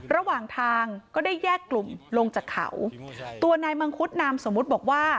ระหว่างทางก็ได้แยกกลุ่มลงจากเขาตัวนายมังคุดนามสมมุติบอกว่า